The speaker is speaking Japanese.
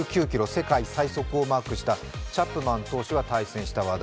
世界最速を記録したチャップマン選手と対戦した話題。